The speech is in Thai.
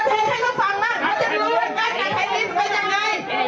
ถ้าถามว่าวันนี้คนยากยอมไหม